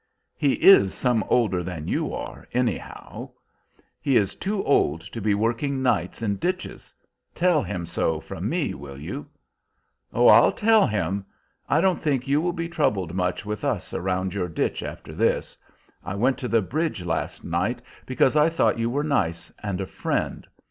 "He is some older than you are, anyhow." "He is too old to be working nights in ditches. Tell him so from me, will you?" "Oh, I'll tell him! I don't think you will be troubled much with us around your ditch, after this. I went to the bridge last night because I thought you were nice, and a friend.